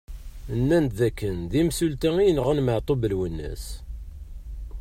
Nnan-d d akken d imsulta i yenɣan Maɛtub Lwennas.